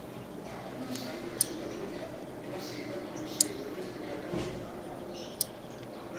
Acuña sabía que su patrulla era seguida por los seguidores de Katari armados.